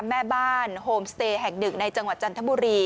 แม่บ้านโฮมสเตย์แห่งหนึ่งในจังหวัดจันทบุรี